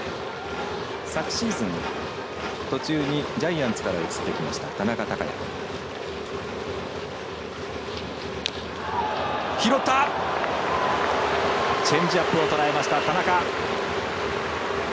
昨シーズン途中にジャイアンツから移ってきた田中貴也。